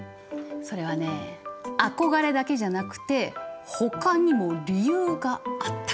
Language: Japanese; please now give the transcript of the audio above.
それはねえ憧れだけじゃなくてほかにも理由があったから！